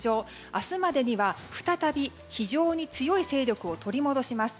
明日までには再び非常に強い勢力を取り戻します。